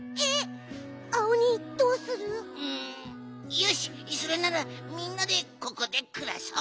よしそれならみんなでここでくらそう！